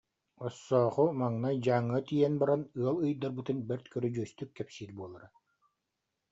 Оссооху маҥнай Дьааҥыга тиийэн баран ыал ыйдарбытын бэрт көрүдьүөстүк кэпсиир буолара